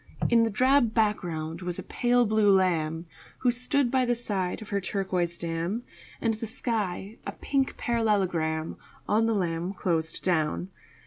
In the drab background was a pale blue lamb Who stood by the side of her turquoise dam, And the sky a pink parallelogram On the lamb closed down.